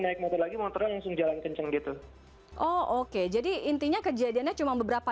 naik motor lagi motornya langsung jalan kenceng gitu oh oke jadi intinya kejadiannya cuma beberapa